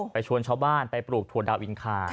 ชวนชาวบ้านไปปลูกถั่วดาวอินคา